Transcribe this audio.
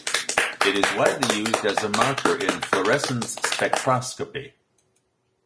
It is widely used as a marker in fluorescence spectroscopy.